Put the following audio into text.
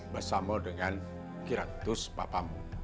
bersama dengan kira kira seratus bapamu